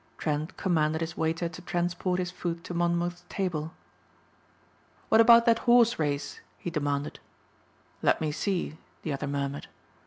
Trent commanded his waiter to transport his food to Monmouth's table. "What about that horse race?" he demanded. "Let me see," the other murmured.